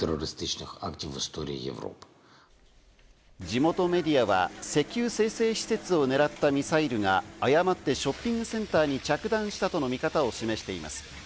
地元メディアは石油精製施設を狙ったミサイルが誤ってショッピングセンターに着弾したとの見方を示しています。